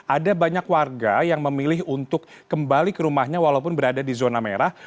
ada banyak warga yang memilih untuk kembali ke rumahnya walaupun berada di zona merah